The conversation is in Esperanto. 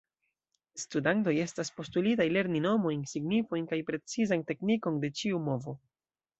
Studantoj estas postulitaj lerni nomojn, signifojn kaj precizan teknikon de ĉiu movo.